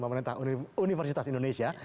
pemerintah universitas indonesia